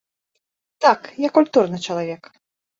Так, я культурны чалавек!